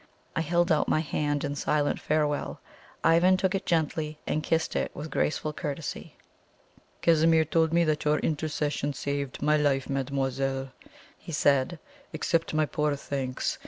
I held out my hand in silent farewell. Ivan took it gently, and kissed it with graceful courtesy. "Casimir told me that your intercession saved my life, mademoiselle," he said. "Accept my poor thanks.